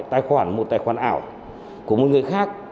tài khoản một tài khoản ảo của một người khác